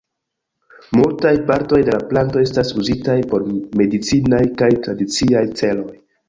Multaj partoj de la planto estas uzitaj por medicinaj kaj tradiciaj celoj.